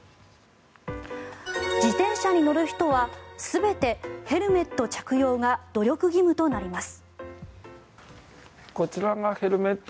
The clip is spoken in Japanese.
自転車に乗る人は全てヘルメット着用が努力義務となります。